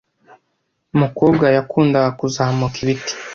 mukobwa yakundaga kuzamuka ibiti.